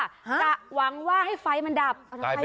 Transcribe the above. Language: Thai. หวังว่าให้ไฟมันดับ